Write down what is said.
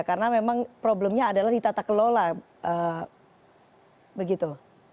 karena memang problemnya adalah di tata kelola begitu